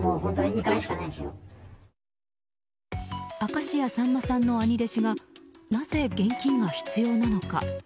明石家さんまさんの兄弟子がなぜ現金が必要なのか。